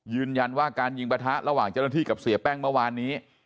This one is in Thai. ยืนยันว่าการยิงประทะระหว่างเจ้าหน้าที่กับเสียแป้งเมื่อวานนี้